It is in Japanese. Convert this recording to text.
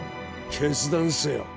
決断せよ。